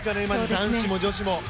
男子も女子も。